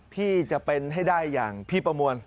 พี่จะเป็นให้ได้อย่างพี่ประมวล